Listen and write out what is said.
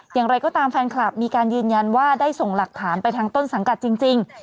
อย่างไรก็ตามแฟนคลับมีการยืนยันว่าได้ส่งหลักฐานไปทางต้นสังกัดจริง